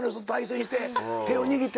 手を握って。